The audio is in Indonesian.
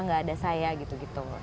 nggak ada saya gitu gitu